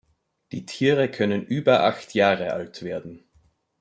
Die Tiere können über acht Jahre alt werden.